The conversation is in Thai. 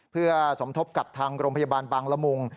เพื่อสมทบกับทางโรงพยาบาลบางละมุง